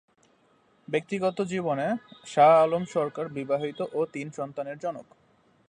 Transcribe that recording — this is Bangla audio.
ব্যক্তিগত জীবনে শাহ আলম সরকার বিবাহিত ও তিন সন্তানের জনক।